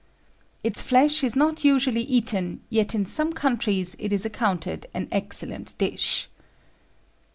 "Its flesh is not usually eaten, yet in some countries it is accounted an excellent dish."